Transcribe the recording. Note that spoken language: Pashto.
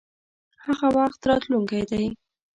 هغه وخت راتلونکی دی.